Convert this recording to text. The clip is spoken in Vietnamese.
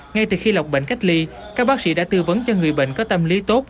ngay từ khi lọc bệnh cách ly các bác sĩ đã tư vấn cho người bệnh có tâm lý tốt